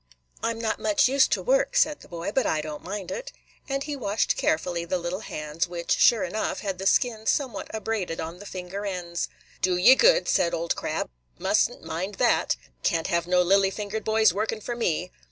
"I 'm not much used to work," said the boy, "but I don't mind it." And he washed carefully the little hands, which, sure enough, had the skin somewhat abraded on the finger ends. "Do ye good," said Old Crab. "Must n't mind that. Can't have no lily fingered boys workin' for me."